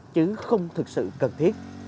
chứ không thực sự cần thiết